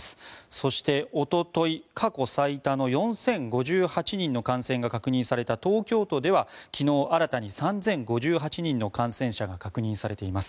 そして、おととい、過去最多の４０５８人の感染が確認された東京都では、昨日新たに３５０８人の感染者が確認されています。